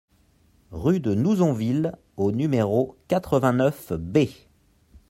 Rue de Nouzonville au numéro quatre-vingt-neuf B